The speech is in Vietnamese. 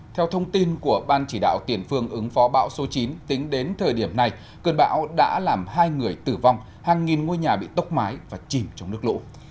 theo thông tin của ban chỉ đạo tiền phương ứng phó bão số chín tính đến thời điểm này cơn bão đã làm hai người tử vong hàng nghìn ngôi nhà bị tốc mái và chìm trong nước lũ